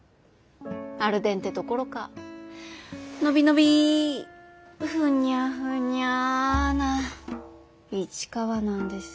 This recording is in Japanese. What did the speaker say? アルデンテどころかのびのびふにゃふにゃな市川なんです。